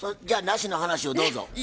じゃあナシの話をどうぞ。